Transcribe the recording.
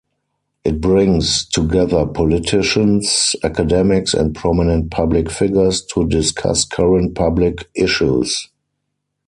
It brings together politicians, academics and prominent public figures to discuss current public issues.